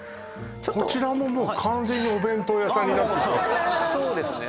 こちらももう完全にお弁当屋さんになってそうですね